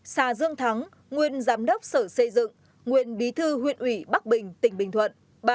hai xà dương thắng nguyên giám đốc sở xây dựng nguyên bí thư huyện ủy bắc bình tỉnh bình thuận